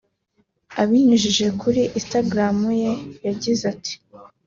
Abinyujije kuri Instagram ye yagize ati